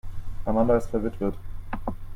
Amanda ist verwitwet.